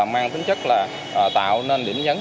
mang tính chất là tạo nên điểm nhấn